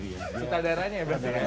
suradaranya berarti ya